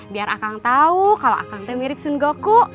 biar akang tahu kalau akang teh mirip sunggoku